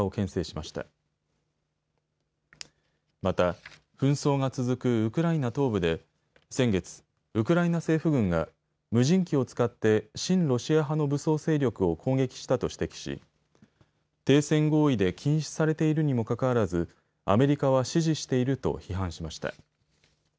また紛争が続くウクライナ東部で先月、ウクライナ政府軍が無人機を使って親ロシア派の武装勢力を攻撃したと指摘し停戦合意で禁止されているにもかかわらずアメリカは支持していると批判しました。